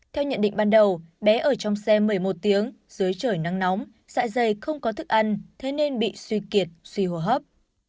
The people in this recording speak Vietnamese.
theo nhận định ban đầu bé ở trong xe một mươi một tiếng dưới trời nắng nóng xạ dày không có thức ăn thế nên bị suy kiệt suy hồ hấp